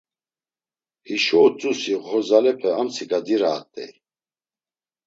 Hişo utzusi; oxorzalepe amtsika diraat̆ey.